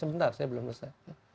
sebentar saya belum nesan